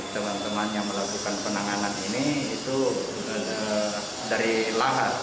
teman teman yang melakukan penanganan ini itu dari lahan